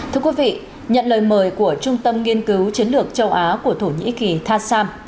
thưa quý vị nhận lời mời của trung tâm nghiên cứu chiến lược châu á của thổ nhĩ kỳ tha sam